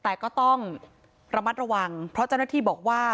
แต่ก็ต้องระมัดระวังเพราะเจ้าหน้าที่บอกว่า